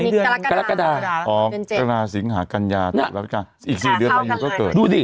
อันนี้กรกฎาอ๋อกรกฎาสิงหากัญญาอีก๔เดือนมายุก็เกิดดูดิ